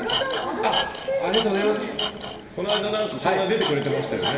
この間、出てくれてましたよね。